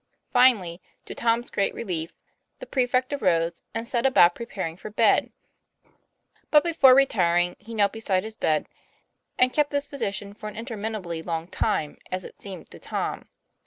Finally, to Tom's great relief, the prefect arose and set about preparing for bed; but before retiring he knelt beside his bed, and kept this position for an interminably long time, as it seemed to Tom.